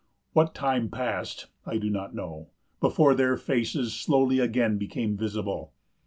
... What time passed—I do not know—before their faces slowly again became visible!